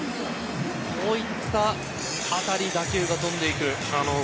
こういった打球が飛んでいく。